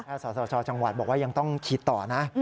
สาธารณ์ชาวชาวจังหวัดบอกว่ายังต้องฉีดต่อนะ